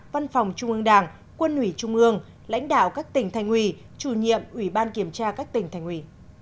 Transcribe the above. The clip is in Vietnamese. văn phòng trung ương đảng quân ủy trung ương lãnh đạo các tỉnh thành ủy chủ nhiệm ủy ban kiểm tra các tỉnh thành ủy